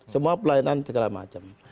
semua pelayanan segala macam